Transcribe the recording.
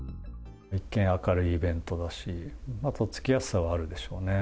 一見、明るいイベントだし、とっつきやすさはあるでしょうね。